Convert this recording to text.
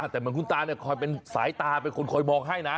แต่คุณตาเนี่ยคอยเป็นสายตาเป็นคนคอยบอกให้นะ